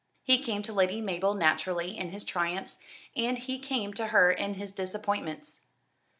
He came to Lady Mabel naturally in his triumphs, and he came to her in his disappointments.